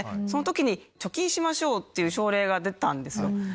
そのときに貯金しましょうっていう奨励が出たんですよ。